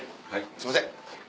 すいません。